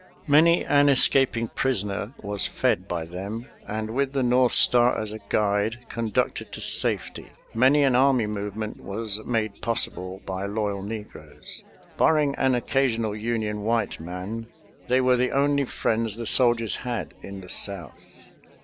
Many an escaping prisoner was fed by them and, with the north star as a guide, conducted to safety. Many an army movement was made possible by loyal negroes. Barring an occasional Union white man, they were the only friends the soldiers had in the South.